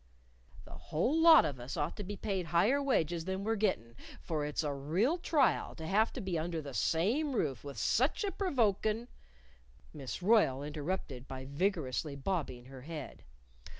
" 'The whole lot of us ought to be paid higher wages than we're gettin' for it's a real trial to have to be under the same roof with such a provokin' '" Miss Royle interrupted by vigorously bobbing her head.